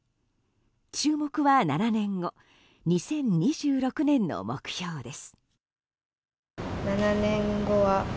注目は７年後２０２６年の目標です。